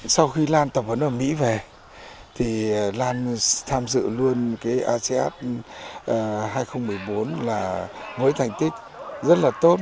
sau khi lan tập huấn ở mỹ về thì lan tham dự luôn cái asean hai nghìn một mươi bốn là với thành tích rất là tốt